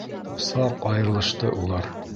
Саҡ айырылышты улар.